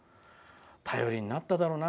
頼りになっただろうな